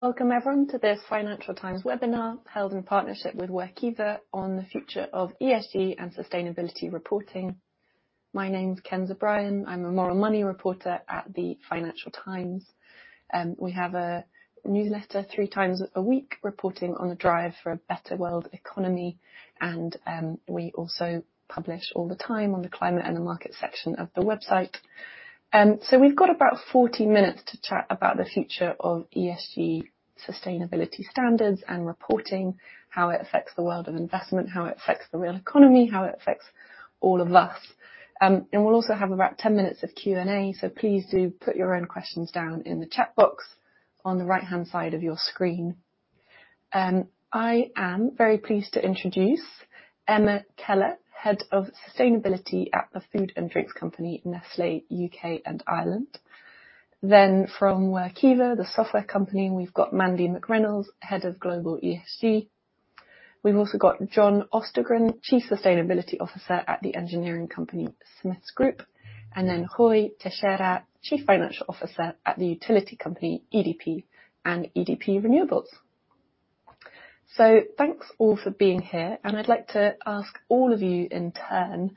Welcome, everyone, to this Financial Times Webinar held in partnership with Workiva on the future of ESG and sustainability reporting. My name's Kenza Bryan. I'm a Moral Money Reporter at the Financial Times. We have a newsletter three times a week reporting on the drive for a better world economy, and we also publish all the time on the climate and the markets section of the website. So we've got about 40 minutes to chat about the future of ESG sustainability standards and reporting, how it affects the world of investment, how it affects the real economy, how it affects all of us. And we'll also have about 10 minutes of Q&A, so please do put your own questions down in the chat box on the right-hand side of your screen. I am very pleased to introduce Emma Keller, Head of Sustainability at the food and drinks company Nestlé UK and Ireland, then from Workiva, the software company, we've got Mandi McReynolds, Head of Global ESG. We've also got John Ostergren, Chief Sustainability Officer at the engineering company Smiths Group, and then Rui Teixeira, Chief Financial Officer at the utility company EDP and EDP Renewables, so thanks all for being here, and I'd like to ask all of you in turn,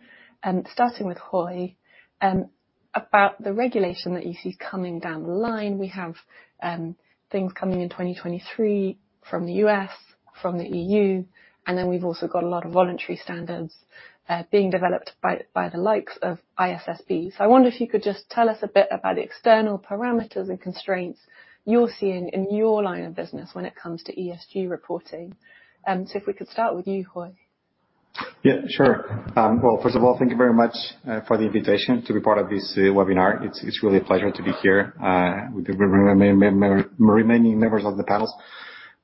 starting with Rui, about the regulation that you see coming down the line. We have things coming in 2023 from the U.S., from the E.U., and then we've also got a lot of voluntary standards being developed by the likes of ISSB. So I wonder if you could just tell us a bit about the external parameters and constraints you're seeing in your line of business when it comes to ESG reporting. So if we could start with you, Rui. Yeah, sure. Well, first of all, thank you very much for the invitation to be part of this webinar. It's really a pleasure to be here with the remaining members of the panels.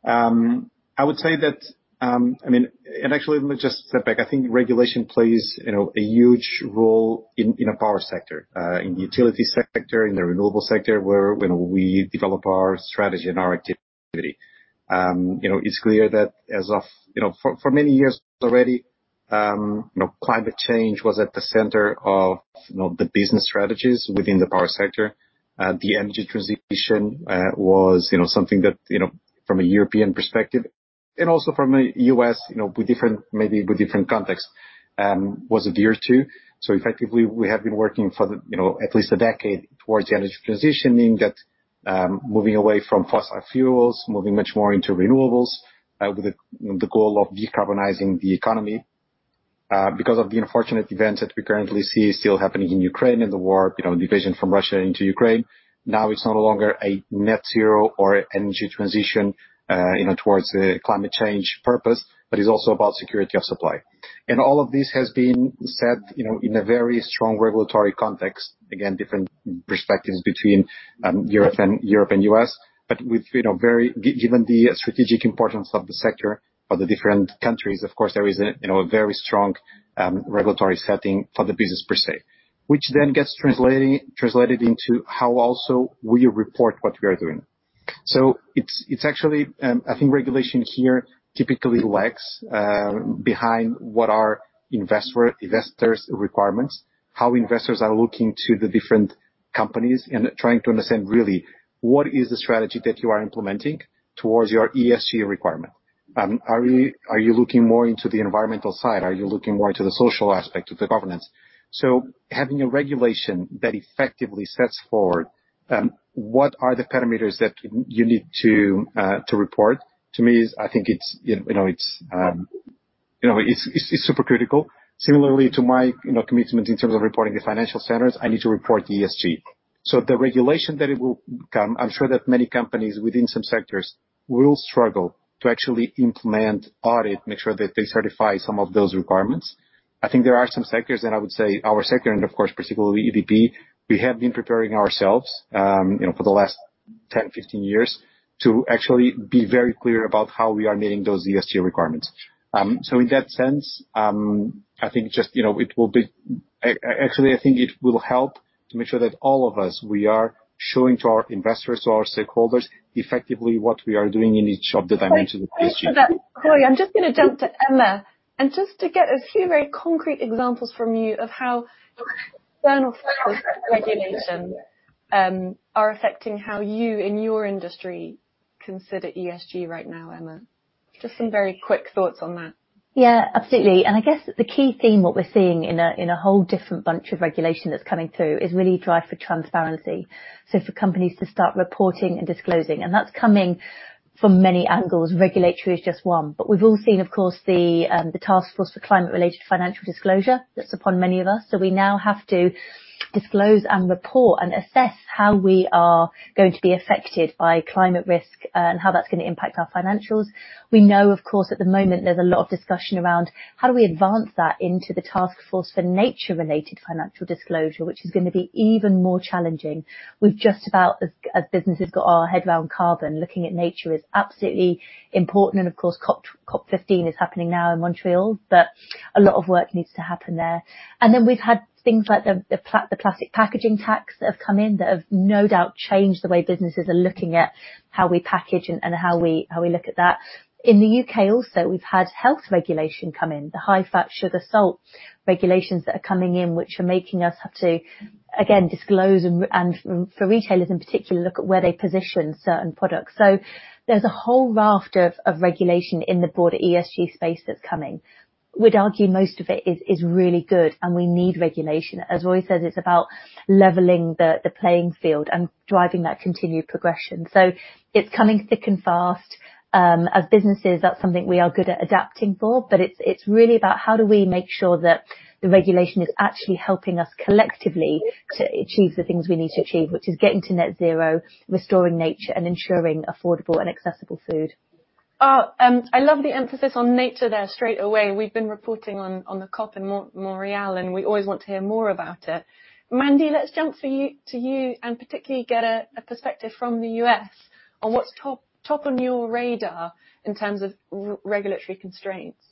I would say that, I mean, and actually, let me just step back. I think regulation plays a huge role in our power sector, in the utility sector, in the renewable sector, where we develop our strategy and our activity. It's clear that as of for many years already, climate change was at the center of the business strategies within the power sector. The energy transition was something that, from a European perspective, and also from a U.S., with different maybe with different contexts, was a veer to. So effectively, we have been working for at least a decade towards the energy transition, meaning that moving away from fossil fuels, moving much more into renewables with the goal of decarbonizing the economy. Because of the unfortunate events that we currently see still happening in Ukraine and the war, division from Russia into Ukraine, now it's no longer a net zero or energy transition towards the climate change purpose, but it's also about security of supply. And all of this has been set in a very strong regulatory context, again, different perspectives between Europe and U.S., but, very given the strategic importance of the sector for the different countries, of course, there is a very strong regulatory setting for the business per se, which then gets translated into how also we report what we are doing. So it's actually, I think, regulation here typically lags behind what are investors' requirements, how investors are looking to the different companies and trying to understand really what is the strategy that you are implementing towards your ESG requirement. Are you looking more into the environmental side? Are you looking more into the social aspect of the governance? So having a regulation that effectively sets forward what are the parameters that you need to report, to me, I think it's super critical. Similarly to my commitment in terms of reporting the financial standards, I need to report the ESG. So the regulation that it will come, I'm sure that many companies within some sectors will struggle to actually implement, audit, make sure that they certify some of those requirements. I think there are some sectors that I would say our sector, and of course, particularly EDP, we have been preparing ourselves for the last 10, 15 years to actually be very clear about how we are meeting those ESG requirements. So in that sense, I think just it will be actually, I think it will help to make sure that all of us, we are showing to our investors, to our stakeholders, effectively what we are doing in each of the dimensions of ESG. Rui, I'm just going to jump to Emma. And just to get a few very concrete examples from you of how external factors and regulation are affecting how you in your industry consider ESG right now, Emma. Just some very quick thoughts on that. Yeah, absolutely, and I guess the key theme what we're seeing in a whole different bunch of regulation that's coming through is really drive for transparency, so for companies to start reporting and disclosing, and that's coming from many angles. Regulatory is just one, but we've all seen, of course, the Task Force on Climate-related Financial Disclosures that's upon many of us, so we now have to disclose and report and assess how we are going to be affected by climate risk and how that's going to impact our financials. We know, of course, at the moment, there's a lot of discussion around how do we advance that into the Task Force on Nature-related Financial Disclosures, which is going to be even more challenging. We've just about as businesses got our head around carbon, looking at nature is absolutely important. And of course, COP15 is happening now in Montreal, but a lot of work needs to happen there. And then we've had things like the Plastic Packaging Tax that have come in that have no doubt changed the way businesses are looking at how we package and how we look at that. In the U.K. also, we've had health regulation come in, the high fat, sugar, salt regulations that are coming in, which are making us have to, again, disclose and for retailers in particular, look at where they position certain products. So there's a whole raft of regulation in the broader ESG space that's coming. We'd argue most of it is really good, and we need regulation. As Rui says, it's about leveling the playing field and driving that continued progression. So it's coming thick and fast. As businesses, that's something we are good at adapting for, but it's really about how do we make sure that the regulation is actually helping us collectively to achieve the things we need to achieve, which is getting to net zero, restoring nature, and ensuring affordable and accessible food. I love the emphasis on nature there straight away. We've been reporting on the COP in Montreal, and we always want to hear more about it. Mandi, let's jump to you and particularly get a perspective from the U.S. on what's top on your radar in terms of regulatory constraints.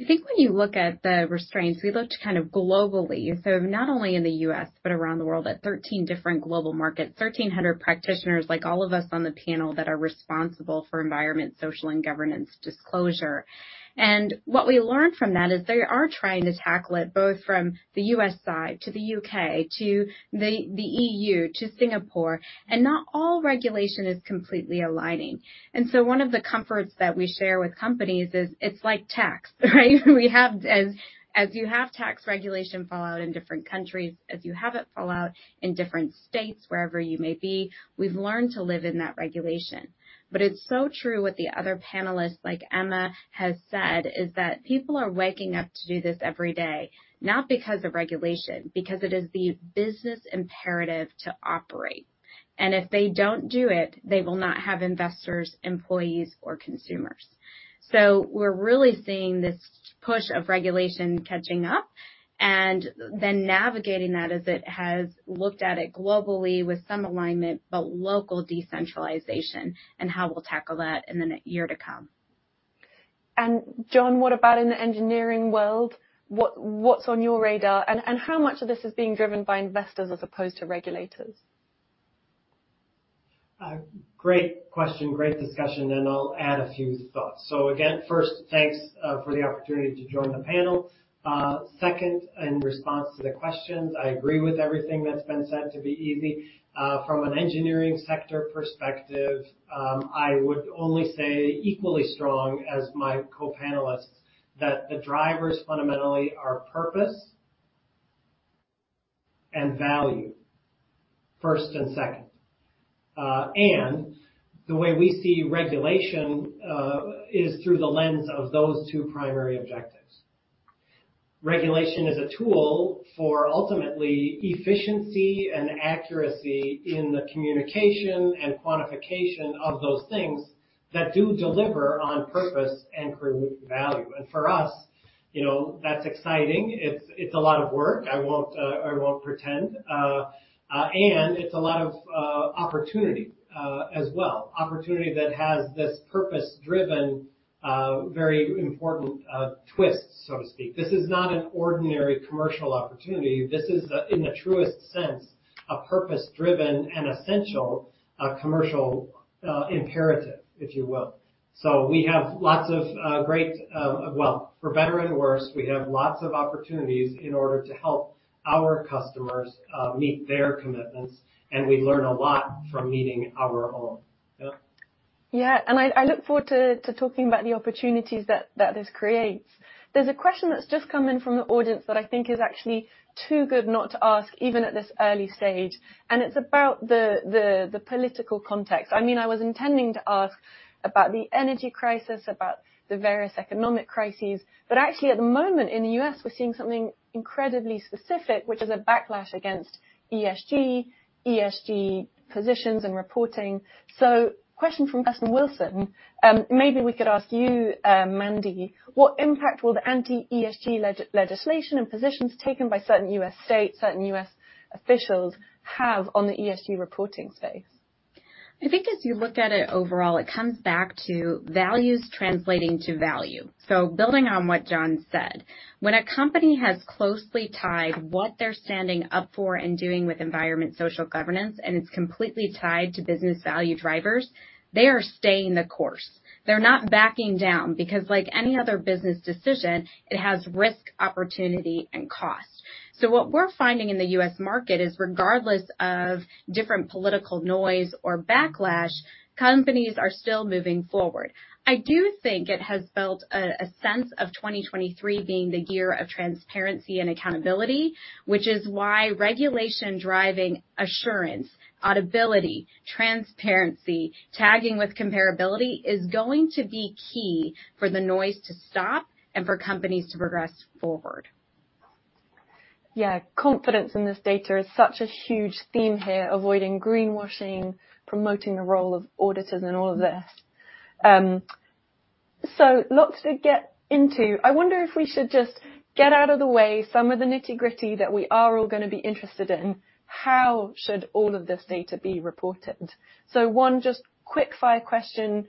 I think when you look at the constraints, we looked kind of globally, so not only in the U.S., but around the world at 13 different global markets, 1,300 practitioners like all of us on the panel that are responsible for environmental, social, and governance disclosure, and what we learned from that is they are trying to tackle it both from the U.S. side to the U.K. to the E.U. to Singapore, and not all regulation is completely aligning, and so one of the comforts that we share with companies is it's like tax, right? As you have tax regulation roll out in different countries, as you have it roll out in different states, wherever you may be, we've learned to live in that regulation. But it's so true what the other panelists like Emma has said is that people are waking up to do this every day, not because of regulation, because it is the business imperative to operate. And if they don't do it, they will not have investors, employees, or consumers. So we're really seeing this push of regulation catching up and then navigating that as it has looked at it globally with some alignment, but local decentralization and how we'll tackle that in the year to come. John, what about in the engineering world? What's on your radar? How much of this is being driven by investors as opposed to regulators? Great question, great discussion, and I'll add a few thoughts. So again, first, thanks for the opportunity to join the panel. Second, in response to the questions, I agree with everything that's been said to be easy. From an engineering sector perspective, I would only say equally strong as my co-panelists that the drivers fundamentally are purpose and value, first and second. And the way we see regulation is through the lens of those two primary objectives. Regulation is a tool for ultimately efficiency and accuracy in the communication and quantification of those things that do deliver on purpose and create value. And for us, that's exciting. It's a lot of work. I won't pretend. And it's a lot of opportunity as well. Opportunity that has this purpose-driven, very important twist, so to speak. This is not an ordinary commercial opportunity. This is, in the truest sense, a purpose-driven and essential commercial imperative, if you will. So we have lots of great, well, for better and worse, we have lots of opportunities in order to help our customers meet their commitments, and we learn a lot from meeting our own. Yeah, and I look forward to talking about the opportunities that this creates. There's a question that's just come in from the audience that I think is actually too good not to ask, even at this early stage. And it's about the political context. I mean, I was intending to ask about the energy crisis, about the various economic crises, but actually, at the moment in the U.S., we're seeing something incredibly specific, which is a backlash against ESG, ESG positions and reporting. So question from Catherine Wilson. Maybe we could ask you, Mandi, what impact will the anti-ESG legislation and positions taken by certain U.S. states, certain U.S. officials have on the ESG reporting space? I think as you look at it overall, it comes back to values translating to value. So building on what John said, when a company has closely tied what they're standing up for and doing with environment, social, governance, and it's completely tied to business value drivers, they are staying the course. They're not backing down because, like any other business decision, it has risk, opportunity, and cost. So what we're finding in the U.S. market is, regardless of different political noise or backlash, companies are still moving forward. I do think it has built a sense of 2023 being the year of transparency and accountability, which is why regulation driving assurance, auditability, transparency, tagging with comparability is going to be key for the noise to stop and for companies to progress forward. Yeah, confidence in this data is such a huge theme here, avoiding greenwashing, promoting the role of auditors in all of this, so lots to get into. I wonder if we should just get out of the way some of the nitty-gritty that we are all going to be interested in. How should all of this data be reported, so one just quick-fire question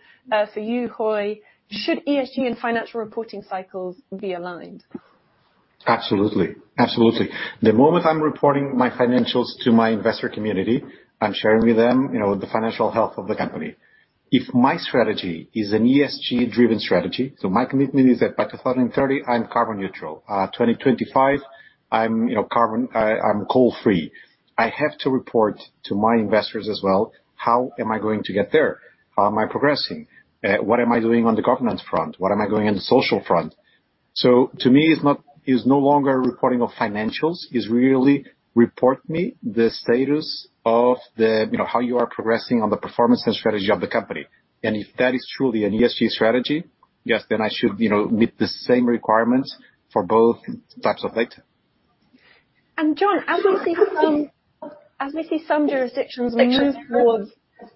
for you, Rui. Should ESG and financial reporting cycles be aligned? Absolutely. Absolutely. The moment I'm reporting my financials to my investor community, I'm sharing with them the financial health of the company. If my strategy is an ESG-driven strategy, so my commitment is that by 2030, I'm carbon neutral. 2025, I'm carbon, I'm coal-free. I have to report to my investors as well. How am I going to get there? How am I progressing? What am I doing on the governance front? What am I doing on the social front? So to me, it's no longer reporting of financials. It's really report me the status of how you are progressing on the performance and strategy of the company. And if that is truly an ESG strategy, yes, then I should meet the same requirements for both types of data. And John, as we see some jurisdictions move towards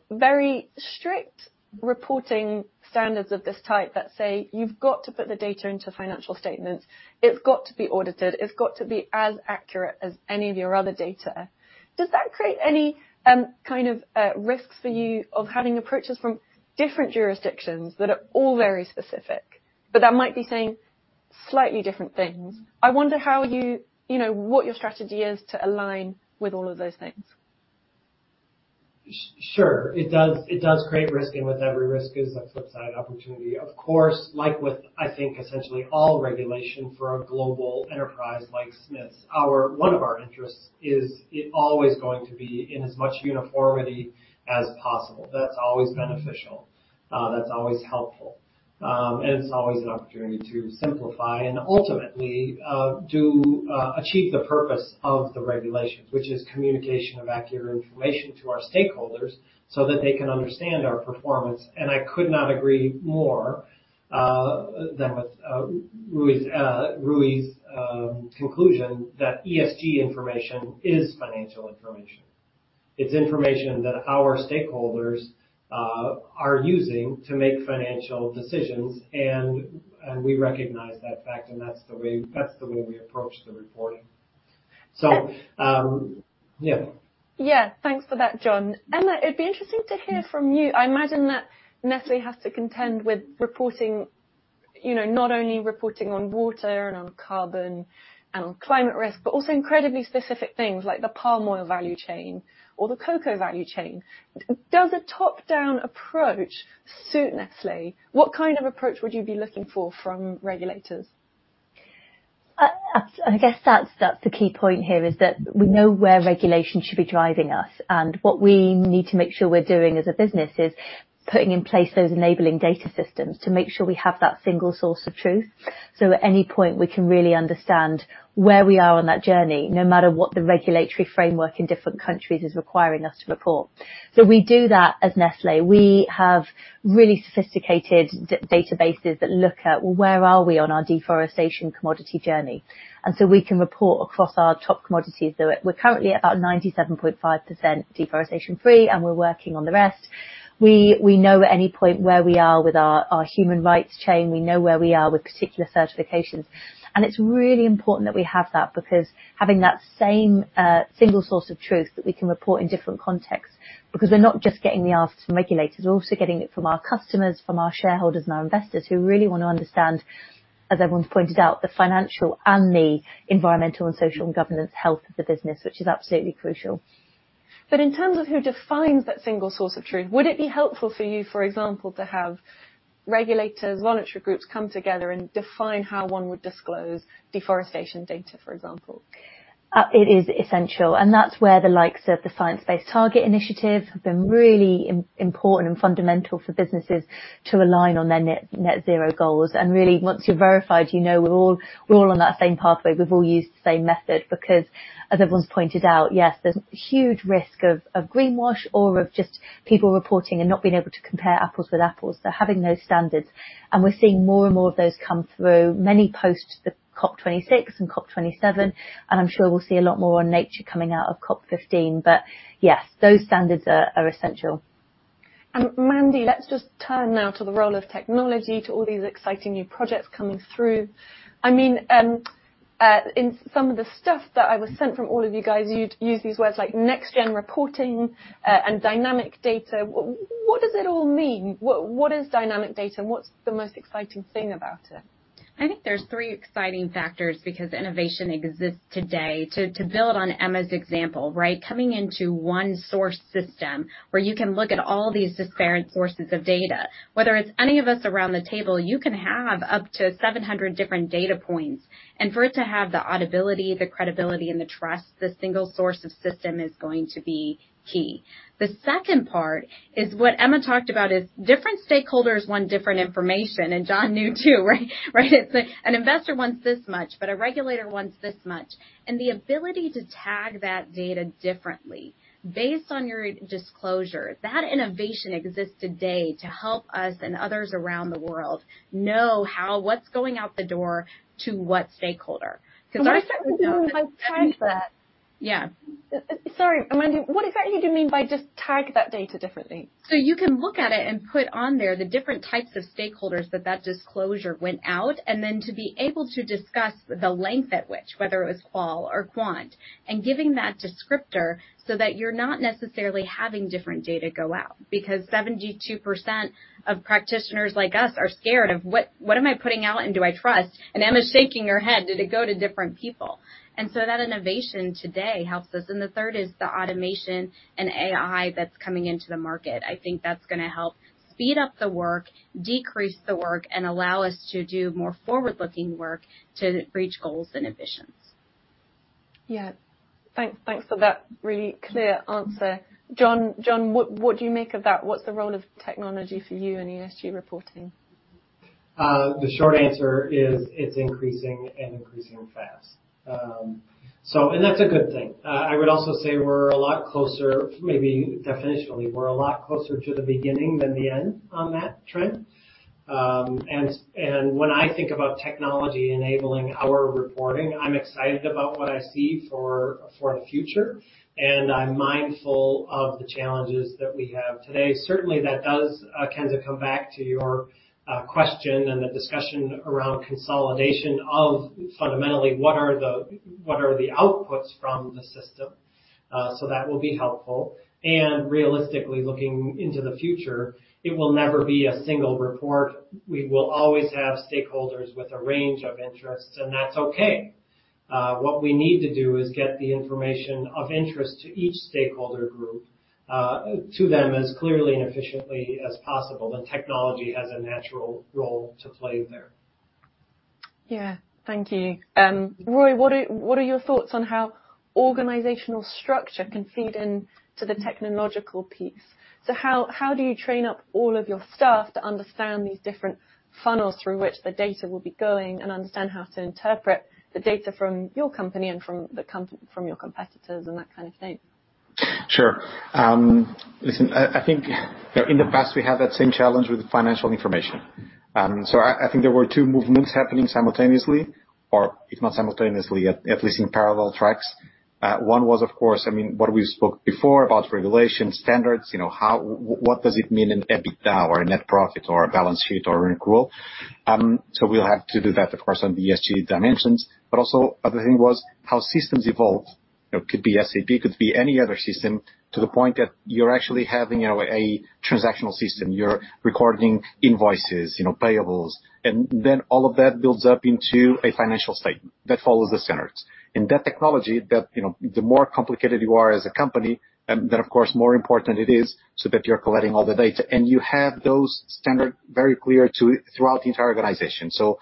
very strict reporting standards of this type that say, you've got to put the data into financial statements. It's got to be audited. It's got to be as accurate as any of your other data. Does that create any kind of risks for you of having approaches from different jurisdictions that are all very specific, but that might be saying slightly different things? I wonder how you, what your strategy is to align with all of those things. Sure. It does create risk, and with every risk is a flip-side opportunity. Of course, like with, I think, essentially all regulation for a global enterprise like Smiths, one of our interests is it always going to be in as much uniformity as possible. That's always beneficial. That's always helpful, and it's always an opportunity to simplify and ultimately achieve the purpose of the regulations, which is communication of accurate information to our stakeholders so that they can understand our performance, and I could not agree more than with Rui's conclusion that ESG information is financial information. It's information that our stakeholders are using to make financial decisions, and we recognize that fact, and that's the way we approach the reporting, so yeah. Yeah, thanks for that, John. Emma, it'd be interesting to hear from you. I imagine that Nestlé has to contend with reporting, not only reporting on water and on carbon and on climate risk, but also incredibly specific things like the palm oil value chain or the cocoa value chain. Does a top-down approach suit Nestlé? What kind of approach would you be looking for from regulators? I guess that's the key point here is that we know where regulation should be driving us, and what we need to make sure we're doing as a business is putting in place those enabling data systems to make sure we have that single source of truth, so at any point, we can really understand where we are on that journey, no matter what the regulatory framework in different countries is requiring us to report, so we do that as Nestlé. We have really sophisticated databases that look at, well, where are we on our deforestation commodity journey, and so we can report across our top commodities. We're currently at about 97.5% deforestation-free, and we're working on the rest. We know at any point where we are with our human rights chain. We know where we are with particular certifications. It's really important that we have that because having that same single source of truth that we can report in different contexts, because we're not just getting the answer from regulators, we're also getting it from our customers, from our shareholders, and our investors who really want to understand, as everyone's pointed out, the financial and the environmental and social and governance health of the business, which is absolutely crucial. But in terms of who defines that single source of truth, would it be helpful for you, for example, to have regulators, monitoring groups come together and define how one would disclose deforestation data, for example? It is essential, and that's where the likes of the Science Based Targets initiative have been really important and fundamental for businesses to align on their net zero goals. And really, once you're verified, you know we're all on that same pathway. We've all used the same method because, as everyone's pointed out, yes, there's huge risk of greenwash or of just people reporting and not being able to compare apples with apples, so having those standards, and we're seeing more and more of those come through, many post the COP26 and COP27, and I'm sure we'll see a lot more on nature coming out of COP15, but yes, those standards are essential. Mandi, let's just turn now to the role of technology, to all these exciting new projects coming through. I mean, in some of the stuff that I was sent from all of you guys, you'd use these words like next-gen reporting and dynamic data. What does it all mean? What is dynamic data, and what's the most exciting thing about it? I think there's three exciting factors because innovation exists today. To build on Emma's example, right, coming into one source system where you can look at all these disparate sources of data, whether it's any of us around the table, you can have up to 700 different data points. And for it to have the auditability, the credibility, and the trust, the single source of truth is going to be key. The second part is what Emma talked about is different stakeholders want different information, and you know too, right? It's an investor wants this much, but a regulator wants this much. And the ability to tag that data differently based on your disclosure, that innovation exists today to help us and others around the world know what's going out the door to what stakeholder. Sorry, Mandi, what exactly do you mean by just tag that data differently? You can look at it and put on there the different types of stakeholders that that disclosure went out, and then to be able to discuss the length at which, whether it was qual or quant, and giving that descriptor so that you're not necessarily having different data go out because 72% of practitioners like us are scared of, "What am I putting out and do I trust?" And Emma's shaking her head. Did it go to different people? And so that innovation today helps us. And the third is the automation and AI that's coming into the market. I think that's going to help speed up the work, decrease the work, and allow us to do more forward-looking work to reach goals and ambitions. Yeah. Thanks for that really clear answer. John, what do you make of that? What's the role of technology for you in ESG reporting? The short answer is it's increasing and increasing fast, and that's a good thing. I would also say we're a lot closer, maybe definitionally, we're a lot closer to the beginning than the end on that trend, and when I think about technology enabling our reporting, I'm excited about what I see for the future, and I'm mindful of the challenges that we have today. Certainly, that does come back to your question and the discussion around consolidation of, fundamentally, what are the outputs from the system, so that will be helpful. And realistically, looking into the future, it will never be a single report. We will always have stakeholders with a range of interests, and that's okay. What we need to do is get the information of interest to each stakeholder group to them as clearly and efficiently as possible, and technology has a natural role to play there. Yeah. Thank you. Rui, what are your thoughts on how organizational structure can feed into the technological piece? So how do you train up all of your staff to understand these different funnels through which the data will be going and understand how to interpret the data from your company and from your competitors and that kind of thing? Sure. Listen, I think in the past, we had that same challenge with financial information. So I think there were two movements happening simultaneously, or if not simultaneously, at least in parallel tracks. One was, of course, I mean, what we spoke before about regulation, standards, what does it mean in EBITDA or net profit or balance sheet or rate rule? So we'll have to do that, of course, on the ESG dimensions. But also other thing was how systems evolve. It could be SAP, it could be any other system to the point that you're actually having a transactional system. You're recording invoices, payables, and then all of that builds up into a financial statement that follows the standards. And that technology, the more complicated you are as a company, then, of course, more important it is so that you're collecting all the data. And you have those standards very clear throughout the entire organization. So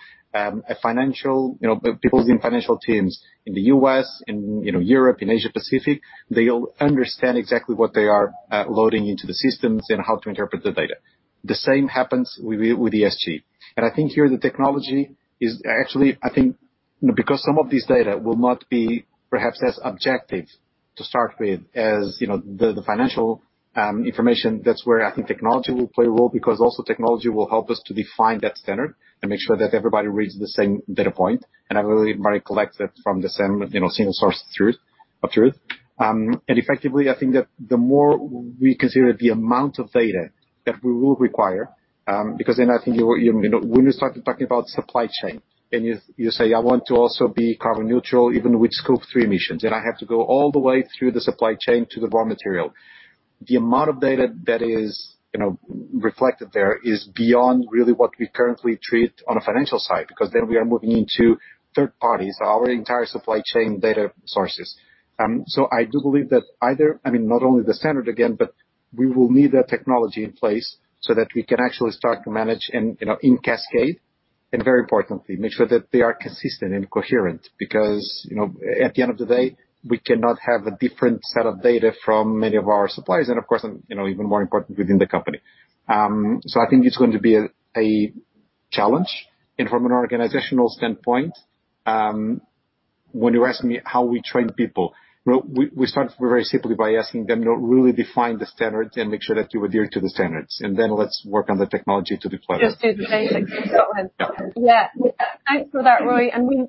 people in financial teams in the U.S., in Europe, in Asia-Pacific, they'll understand exactly what they are loading into the systems and how to interpret the data. The same happens with ESG. And I think here the technology is actually, I think, because some of this data will not be perhaps as objective to start with as the financial information, that's where I think technology will play a role because also technology will help us to define that standard and make sure that everybody reads the same data point. And everybody collects it from the same single source of truth. Effectively, I think that the more we consider the amount of data that we will require, because then I think when you start talking about supply chain and you say, "I want to also be carbon neutral, even with Scope 3 emissions, and I have to go all the way through the supply chain to the raw material," the amount of data that is reflected there is beyond really what we currently treat on a financial side because then we are moving into third parties, our entire supply chain data sources. So I do believe that either, I mean, not only the standard again, but we will need that technology in place so that we can actually start to manage and cascade and very importantly, make sure that they are consistent and coherent because at the end of the day, we cannot have a different set of data from many of our suppliers and, of course, even more important within the company. So I think it's going to be a challenge. And from an organizational standpoint, when you ask me how we train people, we start very simply by asking them to really define the standards and make sure that you adhere to the standards. And then let's work on the technology to deploy them. Just to say thank you for that, Rui. And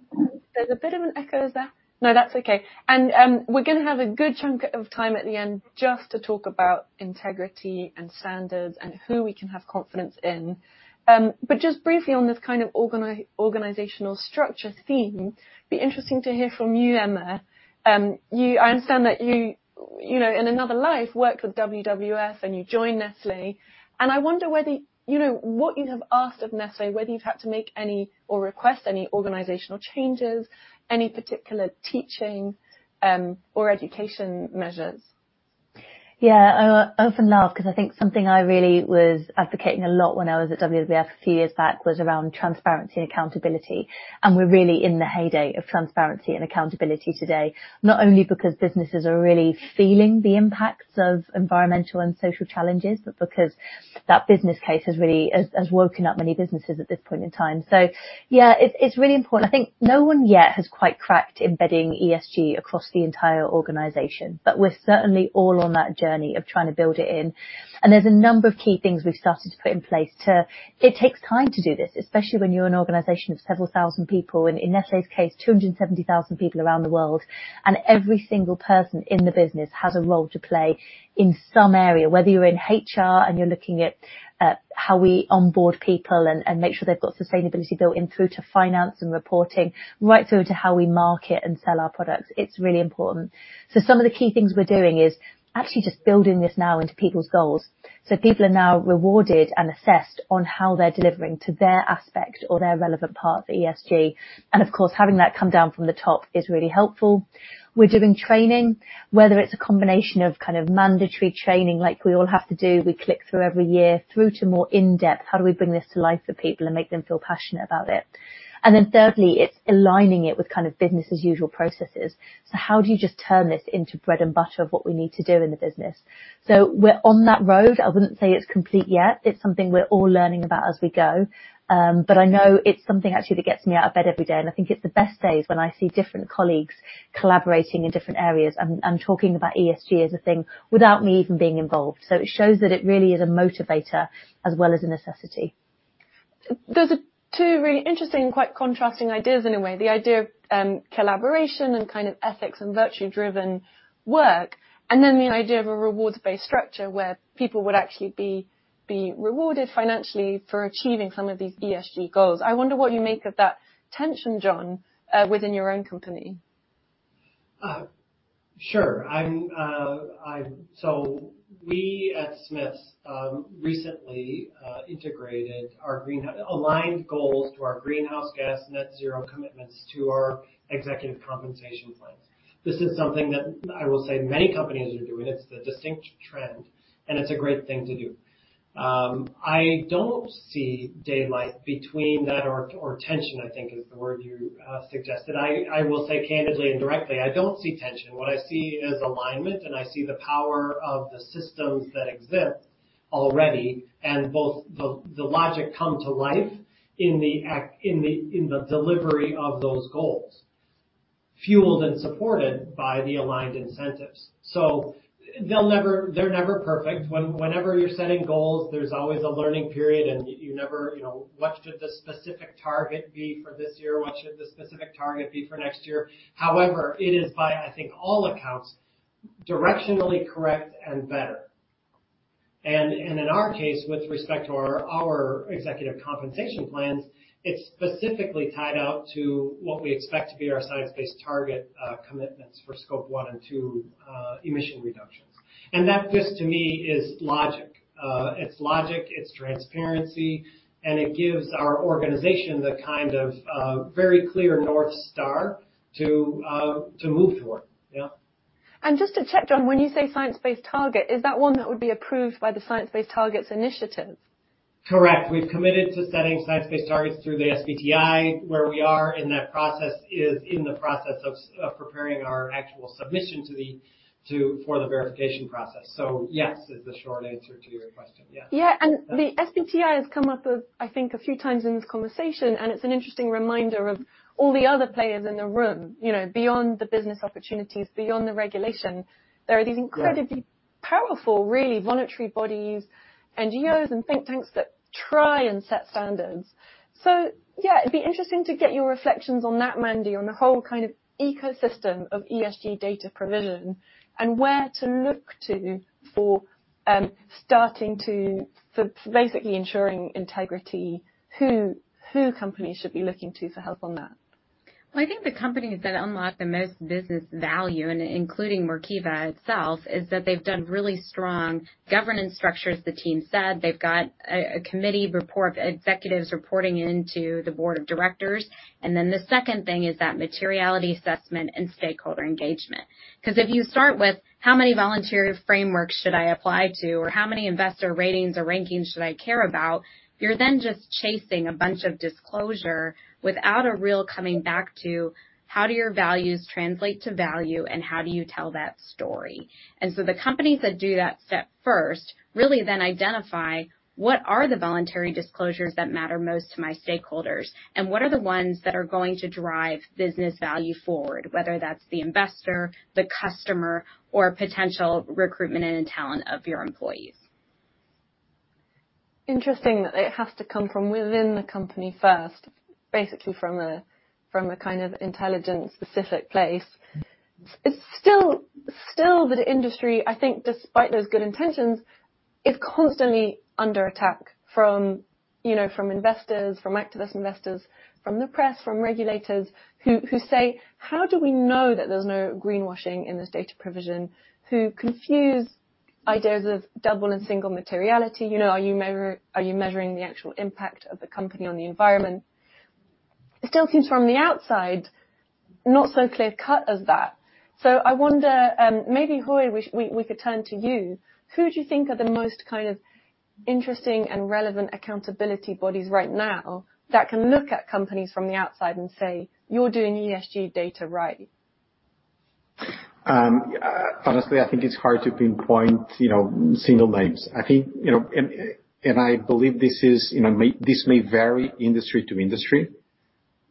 there's a bit of an echo there. No, that's okay. And we're going to have a good chunk of time at the end just to talk about integrity and standards and who we can have confidence in. But just briefly on this kind of organizational structure theme, it'd be interesting to hear from you, Emma. I understand that you, in another life, worked with WWF and you joined Nestlé. And I wonder what you have asked of Nestlé, whether you've had to make any or request any organizational changes, any particular teaching or education measures. Yeah. I often laugh because I think something I really was advocating a lot when I was at WWF a few years back was around transparency and accountability. And we're really in the heyday of transparency and accountability today, not only because businesses are really feeling the impacts of environmental and social challenges, but because that business case has woken up many businesses at this point in time. So yeah, it's really important. I think no one yet has quite cracked embedding ESG across the entire organization, but we're certainly all on that journey of trying to build it in. And there's a number of key things we've started to put in place too. It takes time to do this, especially when you're an organization of several thousand people. In Nestlé's case, 270,000 people around the world, and every single person in the business has a role to play in some area, whether you're in HR and you're looking at how we onboard people and make sure they've got sustainability built in through to finance and reporting, right through to how we market and sell our products. It's really important, so some of the key things we're doing is actually just building this now into people's goals. So people are now rewarded and assessed on how they're delivering to their aspect or their relevant part of ESG, and of course, having that come down from the top is really helpful. We're doing training, whether it's a combination of kind of mandatory training like we all have to do, we click through every year through to more in-depth, how do we bring this to life for people and make them feel passionate about it, and then thirdly, it's aligning it with kind of business-as-usual processes, so how do you just turn this into bread and butter of what we need to do in the business, so we're on that road. I wouldn't say it's complete yet. It's something we're all learning about as we go, but I know it's something actually that gets me out of bed every day, and I think it's the best days when I see different colleagues collaborating in different areas and talking about ESG as a thing without me even being involved, so it shows that it really is a motivator as well as a necessity. Those are two really interesting and quite contrasting ideas in a way, the idea of collaboration and kind of ethics and virtue-driven work, and then the idea of a rewards-based structure where people would actually be rewarded financially for achieving some of these ESG goals. I wonder what you make of that tension, John, within your own company. Sure. So we at Smiths recently integrated our aligned goals to our greenhouse gas net zero commitments to our executive compensation plans. This is something that I will say many companies are doing. It's the distinct trend, and it's a great thing to do. I don't see daylight between that or tension, I think is the word you suggested. I will say candidly and directly, I don't see tension. What I see is alignment, and I see the power of the systems that exist already and both the logic come to life in the delivery of those goals, fueled and supported by the aligned incentives. So they're never perfect. Whenever you're setting goals, there's always a learning period, and you never know, what should the specific target be for this year? What should the specific target be for next year? However, it is by, I think, all accounts, directionally correct and better. And in our case, with respect to our executive compensation plans, it's specifically tied out to what we expect to be our science-based target commitments for Scope 1 and 2 emission reductions. And that just to me is logic. It's logic, it's transparency, and it gives our organization the kind of very clear North Star to move toward. Just to check, John, when you say science-based target, is that one that would be approved by the Science Based Targets initiative? Correct. We've committed to setting science-based targets through the SBTi. Where we are in that process is in the process of preparing our actual submission for the verification process. So yes, is the short answer to your question. Yeah. And the SBTi has come up with, I think, a few times in this conversation, and it's an interesting reminder of all the other players in the room. Beyond the business opportunities, beyond the regulation, there are these incredibly powerful, really voluntary bodies, NGOs, and think tanks that try and set standards. So yeah, it'd be interesting to get your reflections on that, Mandi, on the whole kind of ecosystem of ESG data provision and where to look to for basically ensuring integrity, who companies should be looking to for help on that? I think the companies that unlock the most business value, including Workiva itself, is that they've done really strong governance structures, the team said. They've got a committee of executives reporting into the board of directors. Then the second thing is that materiality assessment and stakeholder engagement. Because if you start with, "How many voluntary frameworks should I apply to?" or, "How many investor ratings or rankings should I care about?" you're then just chasing a bunch of disclosure without a real coming back to, "How do your values translate to value?" and, "How do you tell that story?" And so the companies that do that step first really then identify what are the voluntary disclosures that matter most to my stakeholders and what are the ones that are going to drive business value forward, whether that's the investor, the customer, or potential recruitment and talent of your employees. Interesting that it has to come from within the company first, basically from a kind of intelligence-specific place. It's still that industry, I think, despite those good intentions, is constantly under attack from investors, from activist investors, from the press, from regulators who say, "How do we know that there's no greenwashing in this data provision?" who confuse ideas of double and single materiality. Are you measuring the actual impact of the company on the environment? It still seems from the outside not so clear-cut as that. So I wonder, maybe, Rui, we could turn to you. Who do you think are the most kind of interesting and relevant accountability bodies right now that can look at companies from the outside and say, "You're doing ESG data right? Honestly, I think it's hard to pinpoint single names, and I believe this may vary industry to industry.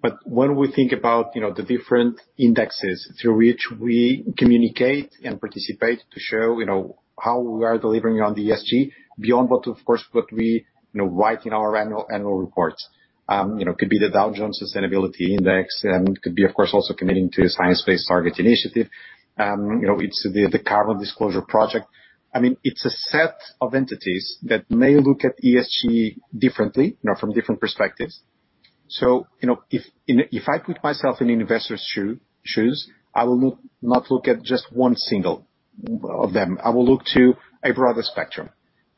But when we think about the different indexes through which we communicate and participate to show how we are delivering on the ESG beyond, of course, what we write in our annual reports, it could be the Dow Jones Sustainability Index. It could be, of course, also committing to a Science Based Targets initiative. It's the Carbon Disclosure Project. I mean, it's a set of entities that may look at ESG differently from different perspectives. So if I put myself in investors' shoes, I will not look at just one single of them. I will look to a broader spectrum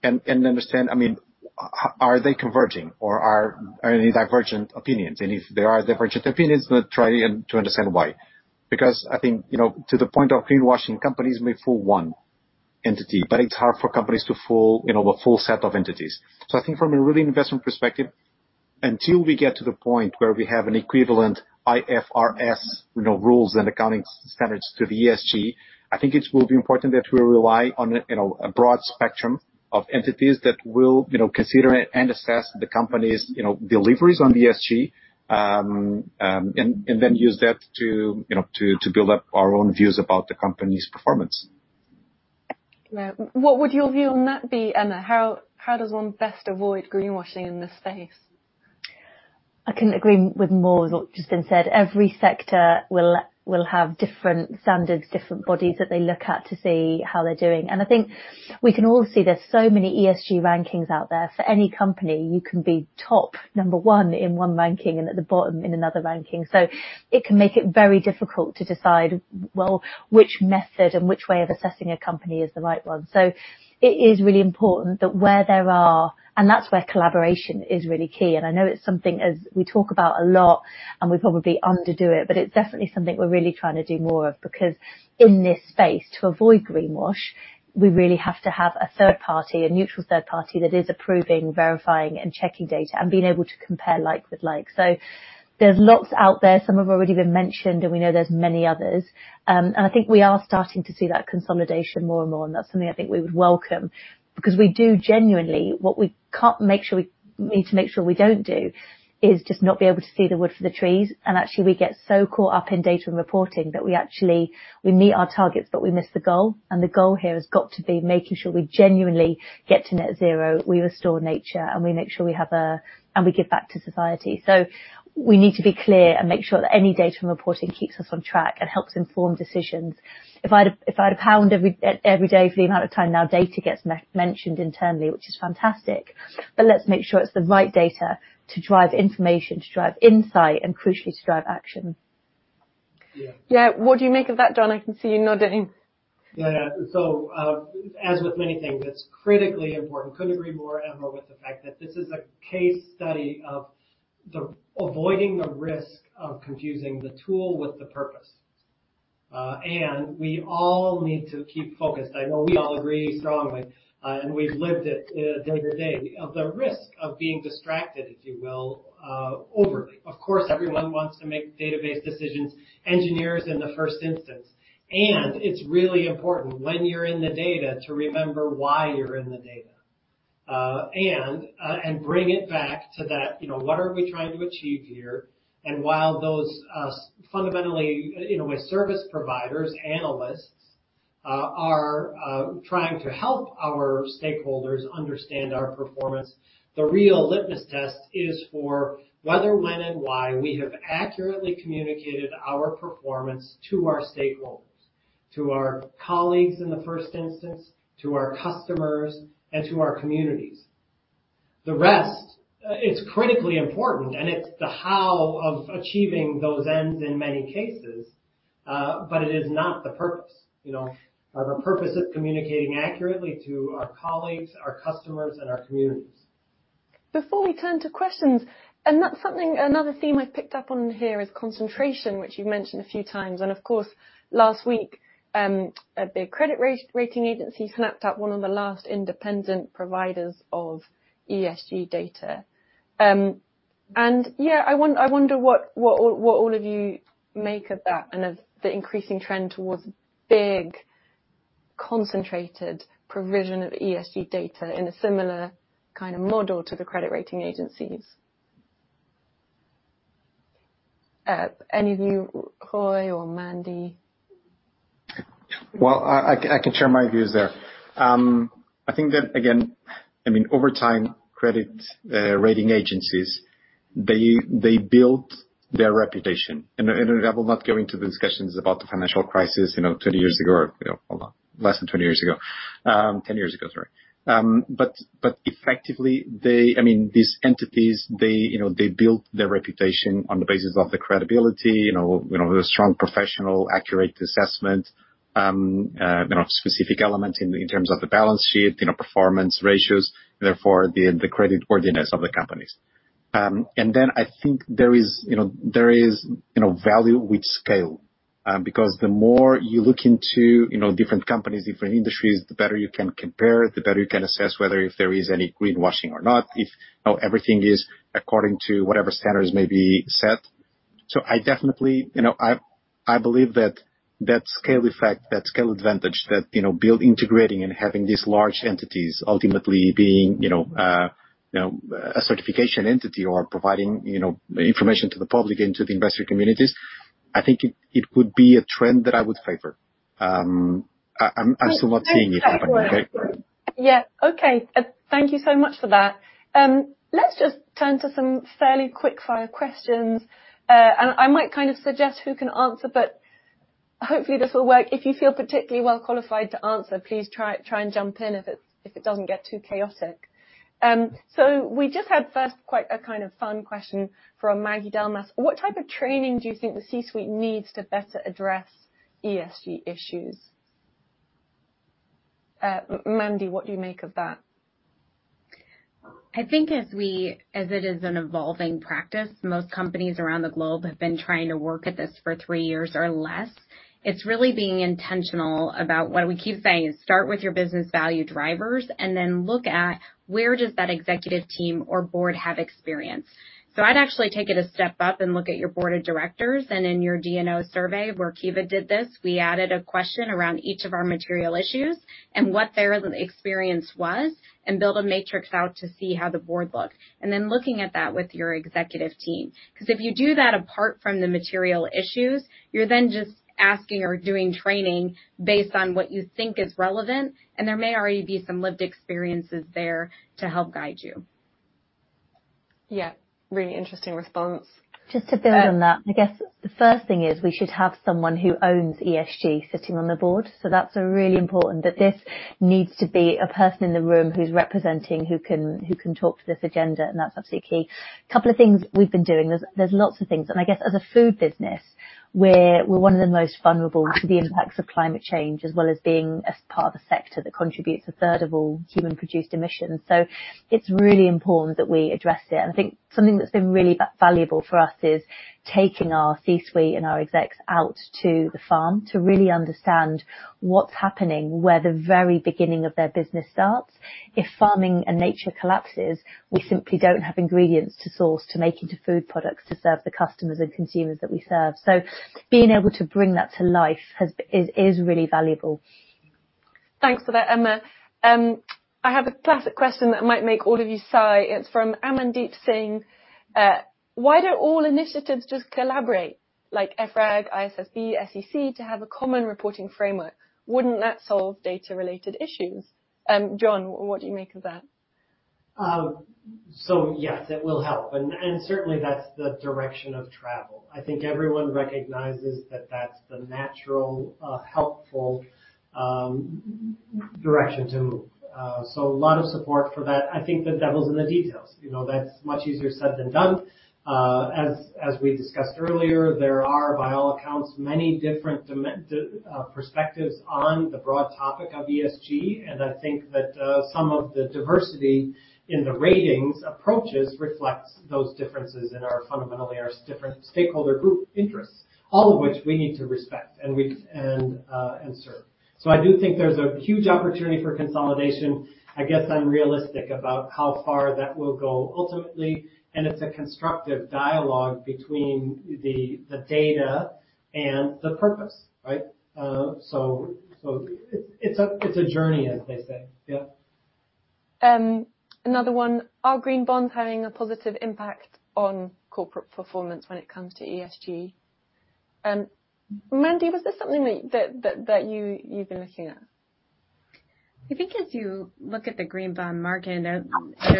and understand, I mean, are they converging or are there any divergent opinions? And if there are divergent opinions, then try to understand why. Because I think to the point of greenwashing, companies may fool one entity, but it's hard for companies to fool a full set of entities, so I think from a really investment perspective, until we get to the point where we have an equivalent IFRS rules and accounting standards to the ESG, I think it will be important that we rely on a broad spectrum of entities that will consider and assess the company's deliveries on the ESG and then use that to build up our own views about the company's performance. What would your view on that be, Emma? How does one best avoid greenwashing in this space? I can agree with more of what just been said. Every sector will have different standards, different bodies that they look at to see how they're doing. And I think we can all see there's so many ESG rankings out there. For any company, you can be top number one in one ranking and at the bottom in another ranking. So it can make it very difficult to decide, well, which method and which way of assessing a company is the right one. So it is really important that where there are, and that's where collaboration is really key. And I know it's something we talk about a lot and we probably underdo it, but it's definitely something we're really trying to do more of because in this space, to avoid greenwashing, we really have to have a third party, a neutral third party that is approving, verifying, and checking data and being able to compare like with like. So there's lots out there. Some have already been mentioned, and we know there's many others. And I think we are starting to see that consolidation more and more. And that's something I think we would welcome because we do genuinely what we can't make sure we need to make sure we don't do is just not be able to see the wood for the trees. And actually, we get so caught up in data and reporting that we actually meet our targets, but we miss the goal. The goal here has got to be making sure we genuinely get to net zero, we restore nature, and we make sure we have and we give back to society. We need to be clear and make sure that any data and reporting keeps us on track and helps inform decisions. If I had a pound every day for the amount of time now data gets mentioned internally, which is fantastic, but let's make sure it's the right data to drive information, to drive insight, and crucially, to drive action. Yeah. What do you make of that, John? I can see you nodding. Yeah, so as with many things, it's critically important. Couldn't agree more, Emma, with the fact that this is a case study of avoiding the risk of confusing the tool with the purpose, and we all need to keep focused. I know we all agree strongly, and we've lived it day to day, of the risk of being distracted, if you will, overly. Of course, everyone wants to make database decisions, engineers in the first instance, and it's really important when you're in the data to remember why you're in the data and bring it back to that, what are we trying to achieve here? While those fundamentally, in a way, service providers, analysts are trying to help our stakeholders understand our performance, the real litmus test is for whether, when, and why we have accurately communicated our performance to our stakeholders, to our colleagues in the first instance, to our customers, and to our communities. The rest, it's critically important, and it's the how of achieving those ends in many cases, but it is not the purpose. The purpose is communicating accurately to our colleagues, our customers, and our communities. Before we turn to questions, and that's something, another theme I've picked up on here is concentration, which you've mentioned a few times. And of course, last week, the credit rating agency snapped up one of the last independent providers of ESG data. And yeah, I wonder what all of you make of that and of the increasing trend towards big concentrated provision of ESG data in a similar kind of model to the credit rating agencies. Any of you, Rui or Mandi? I can share my views there. I think that, again, I mean, over time, credit rating agencies, they build their reputation. And I will not go into the discussions about the financial crisis 20 years ago or less than 20 years ago, 10 years ago, sorry. But effectively, I mean, these entities, they build their reputation on the basis of the credibility, the strong professional accurate assessment, specific elements in terms of the balance sheet, performance ratios, and therefore the creditworthiness of the companies. And then I think there is value with scale because the more you look into different companies, different industries, the better you can compare, the better you can assess whether if there is any greenwashing or not, if everything is according to whatever standards may be set. I definitely believe that that scale effect, that scale advantage that integrating and having these large entities ultimately being a certification entity or providing information to the public and to the investor communities, I think it would be a trend that I would favor. I'm still not seeing it happening. Yeah. Okay. Thank you so much for that. Let's just turn to some fairly quick-fire questions. And I might kind of suggest who can answer, but hopefully, this will work. If you feel particularly well qualified to answer, please try and jump in if it doesn't get too chaotic. So we just had first quite a kind of fun question from Maggie Delmas. What type of training do you think the C-suite needs to better address ESG issues? Mandi, what do you make of that? I think, as it is an evolving practice, most companies around the globe have been trying to work at this for three years or less. It's really being intentional about what we keep saying is start with your business value drivers and then look at where does that executive team or board have experience. So I'd actually take it a step up and look at your board of directors, and in your D&O survey, Workiva did this. We added a question around each of our material issues and what their experience was and build a matrix out to see how the board looked, and then looking at that with your executive team. Because if you do that apart from the material issues, you're then just asking or doing training based on what you think is relevant, and there may already be some lived experiences there to help guide you. Yeah. Really interesting response. Just to build on that, I guess the first thing is we should have someone who owns ESG sitting on the board. So that's really important that this needs to be a person in the room who's representing, who can talk to this agenda, and that's absolutely key. A couple of things we've been doing. There's lots of things. And I guess as a food business, we're one of the most vulnerable to the impacts of climate change as well as being a part of a sector that contributes a third of all human-produced emissions. So it's really important that we address it. And I think something that's been really valuable for us is taking our C-suite and our execs out to the farm to really understand what's happening where the very beginning of their business starts. If farming and nature collapses, we simply don't have ingredients to source to make into food products to serve the customers and consumers that we serve. So being able to bring that to life is really valuable. Thanks for that, Emma. I have a classic question that might make all of you sigh. It's from Amandeep Singh. Why don't all initiatives just collaborate like EFRAG, ISSB, SEC to have a common reporting framework? Wouldn't that solve data-related issues? John, what do you make of that? So yes, it will help. And certainly, that's the direction of travel. I think everyone recognizes that that's the natural helpful direction to move. So a lot of support for that. I think the devil's in the details. That's much easier said than done. As we discussed earlier, there are, by all accounts, many different perspectives on the broad topic of ESG. And I think that some of the diversity in the ratings approaches reflects those differences in our fundamentally different stakeholder group interests, all of which we need to respect and serve. So I do think there's a huge opportunity for consolidation. I guess I'm realistic about how far that will go ultimately. And it's a constructive dialogue between the data and the purpose, right? So it's a journey, as they say. Yeah. Another one, are green bonds having a positive impact on corporate performance when it comes to ESG? Mandi, was this something that you've been looking at? I think as you look at the green bond market, there's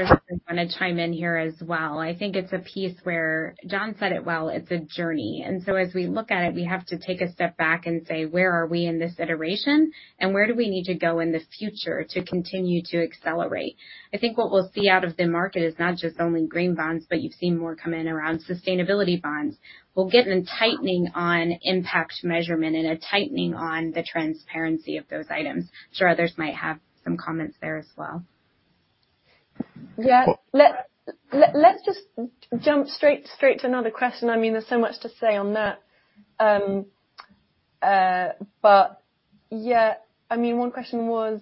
something I want to chime in here as well. I think it's a piece where John said it well, it's a journey, and so as we look at it, we have to take a step back and say, where are we in this iteration, and where do we need to go in the future to continue to accelerate? I think what we'll see out of the market is not just only green bonds, but you've seen more come in around sustainability bonds. We'll get a tightening on impact measurement and a tightening on the transparency of those items. I'm sure others might have some comments there as well. Yeah. Let's just jump straight to another question. I mean, there's so much to say on that. But yeah, I mean, one question was,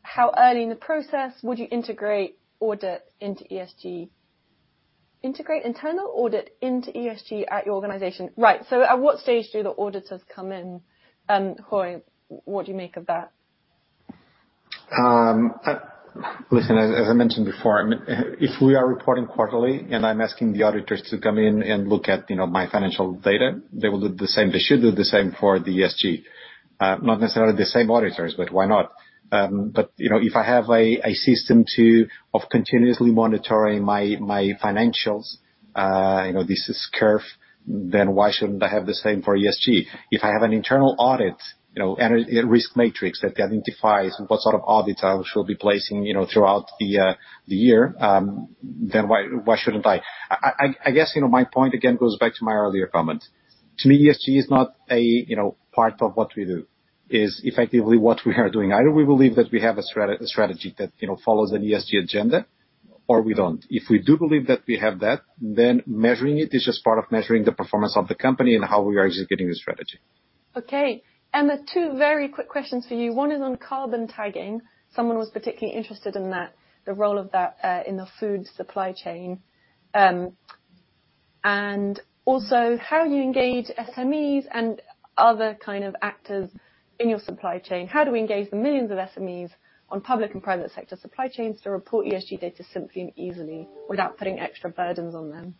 how early in the process would you integrate audit into ESG? Integrate internal audit into ESG at your organization? Right. So at what stage do the auditors come in? Rui, what do you make of that? Listen, as I mentioned before, if we are reporting quarterly and I'm asking the auditors to come in and look at my financial data, they will do the same. They should do the same for the ESG. Not necessarily the same auditors, but why not? But if I have a system of continuously monitoring my financials, this is key, then why shouldn't I have the same for ESG? If I have an internal audit risk matrix that identifies what sort of audits I should be placing throughout the year, then why shouldn't I? I guess my point again goes back to my earlier comment. To me, ESG is not a part of what we do. It's effectively what we are doing. Either we believe that we have a strategy that follows an ESG agenda or we don't. If we do believe that we have that, then measuring it is just part of measuring the performance of the company and how we are executing the strategy. Okay. And two very quick questions for you. One is on carbon tagging. Someone was particularly interested in that, the role of that in the food supply chain. And also, how do you engage SMEs and other kind of actors in your supply chain? How do we engage the millions of SMEs on public and private sector supply chains to report ESG data simply and easily without putting extra burdens on them?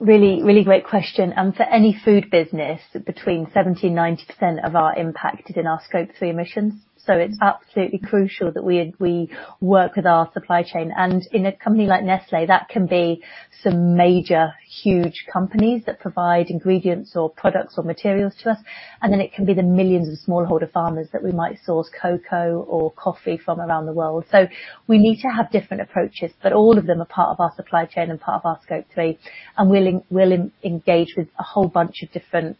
Really, really great question, and for any food business, between 70% and 90% of our impact is in our Scope 3 emissions, so it's absolutely crucial that we work with our supply chain, and in a company like Nestlé, that can be some major huge companies that provide ingredients or products or materials to us, and then it can be the millions of smallholder farmers that we might source cocoa or coffee from around the world, so we need to have different approaches, but all of them are part of our supply chain and part of our Scope 3, and we'll engage with a whole bunch of different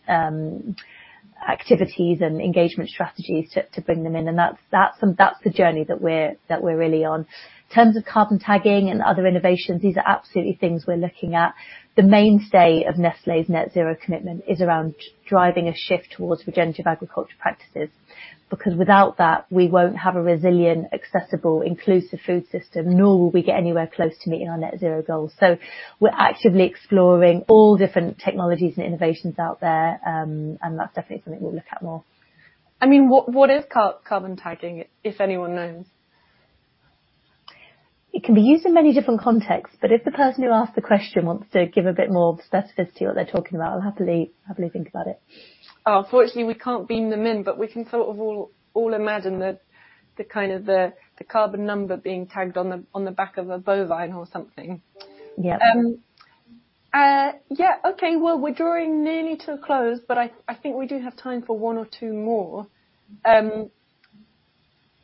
activities and engagement strategies to bring them in, and that's the journey that we're really on. In terms of carbon tagging and other innovations, these are absolutely things we're looking at. The mainstay of Nestlé's net zero commitment is around driving a shift towards regenerative agriculture practices. Because without that, we won't have a resilient, accessible, inclusive food system, nor will we get anywhere close to meeting our net zero goals. So we're actively exploring all different technologies and innovations out there. And that's definitely something we'll look at more. I mean, what is carbon tagging, if anyone knows? It can be used in many different contexts, but if the person who asked the question wants to give a bit more specificity to what they're talking about, I'll happily think about it. Unfortunately, we can't beam them in, but we can sort of all imagine the kind of carbon number being tagged on the back of a bovine or something. Yeah. Yeah. Okay. Well, we're drawing nearly to a close, but I think we do have time for one or two more.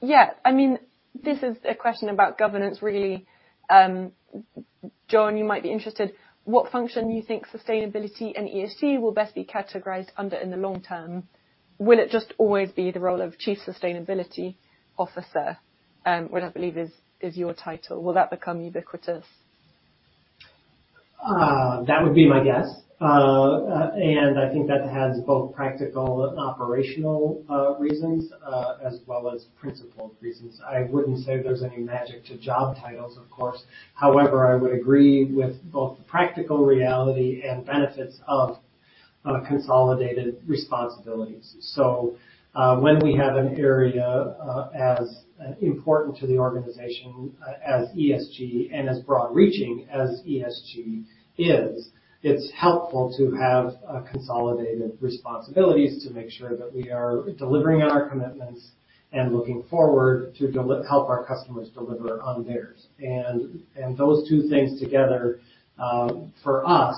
Yeah. I mean, this is a question about governance, really. John, you might be interested. What function do you think sustainability and ESG will best be categorized under in the long term? Will it just always be the role of Chief Sustainability Officer, which I believe is your title? Will that become ubiquitous? That would be my guess. And I think that has both practical and operational reasons as well as principled reasons. I wouldn't say there's any magic to job titles, of course. However, I would agree with both the practical reality and benefits of consolidated responsibilities. So when we have an area as important to the organization as ESG and as broad-reaching as ESG is, it's helpful to have consolidated responsibilities to make sure that we are delivering on our commitments and looking forward to help our customers deliver on theirs. And those two things together for us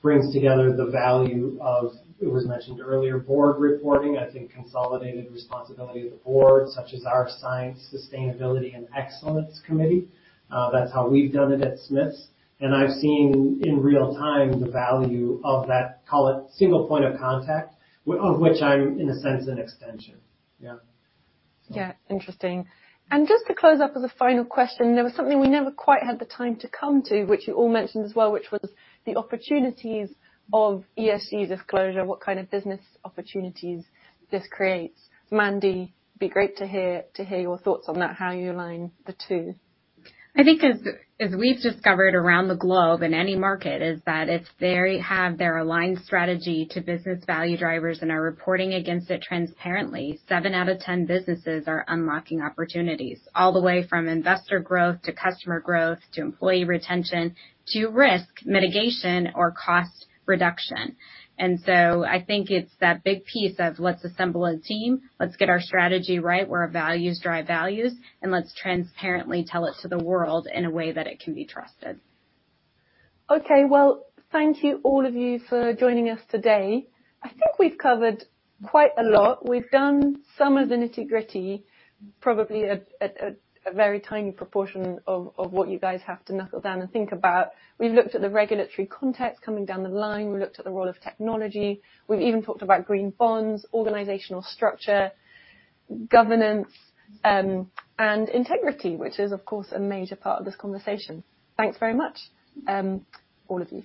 brings together the value of, it was mentioned earlier, board reporting. I think consolidated responsibility of the board, such as our Science, Sustainability, and Excellence Committee. That's how we've done it at Smiths. I've seen in real time the value of that, call it single point of contact, of which I'm in a sense an extension. Yeah. Yeah. Interesting. And just to close up as a final question, there was something we never quite had the time to come to, which you all mentioned as well, which was the opportunities of ESG disclosure, what kind of business opportunities this creates. Mandi, it'd be great to hear your thoughts on that, how you align the two. I think as we've discovered around the globe in any market is that if they have their aligned strategy to business value drivers and are reporting against it transparently, seven out of 10 businesses are unlocking opportunities all the way from investor growth to customer growth to employee retention to risk mitigation or cost reduction. And so I think it's that big piece of let's assemble a team, let's get our strategy right where values drive values, and let's transparently tell it to the world in a way that it can be trusted. Okay. Well, thank you all of you for joining us today. I think we've covered quite a lot. We've done some of the nitty-gritty, probably a very tiny proportion of what you guys have to knuckle down and think about. We've looked at the regulatory context coming down the line. We looked at the role of technology. We've even talked about green bonds, organizational structure, governance, and integrity, which is, of course, a major part of this conversation. Thanks very much, all of you.